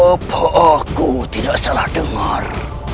apa aku tidak salah dengar